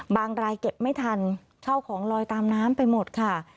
รายเก็บไม่ทันเข้าของลอยตามน้ำไปหมดค่ะ